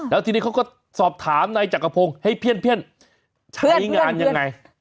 แล้วทีนี้เขาก็สอบถามนายจักรพงศ์ให้เพี้ยนใช้งานยังไง